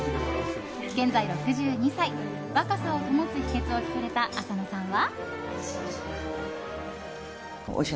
現在６２歳、若さを保つ秘訣を聞かれた浅野さんは。